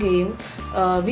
thì nói đấy